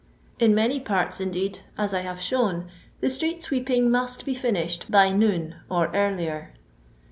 In many parts, indeed, as I have shown, the street sweeping must bo finished by noon, or earlier.